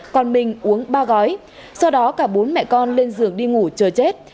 còn mình uống ba gói sau đó cả bốn mẹ con lên giường đi ngủ chờ chết